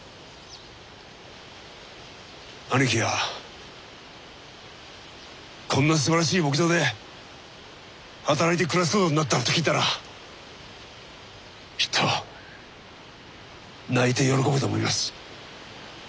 兄貴がこんなすばらしい牧場で働いて暮らすことになったなんて聞いたらきっと泣いて喜ぶと思います。